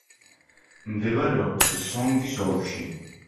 მდებარეობს სონგის ოლქში.